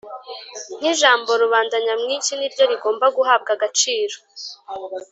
Nk ijambo rubanda nyamwinshi niryo rigomba guhabwa agaciro